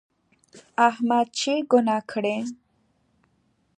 احمد چې ګناه کړي،